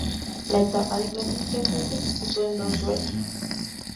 La etapa de clasificación se disputó en dos ruedas.